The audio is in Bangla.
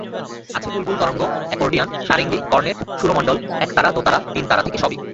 আছে বুলবুল তরঙ্গ, অ্যাকোর্ডিয়ান, সারেঙ্গী, কর্নেট, সুরমণ্ডল, একতারা, দোতারা, তিনতারা থেকে সবই।